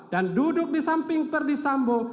dan duduk di samping perdisambo